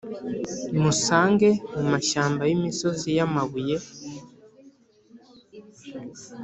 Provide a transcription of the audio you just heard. musange mumashyamba yimisozi yamabuye